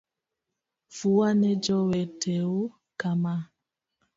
Fuwa ne joweteu kama.